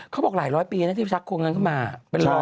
เขาบอกหลายร้อยปีที่ชักโครงงานเข้ามา